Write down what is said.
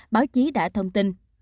báo chí đã thông tin